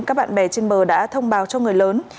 các bạn bè trên bờ đã thông báo cho người lớn